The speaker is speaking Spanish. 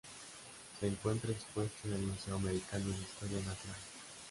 Se encuentra expuesto en el Museo Americano de Historia Natural.